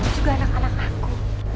juga anak anak aku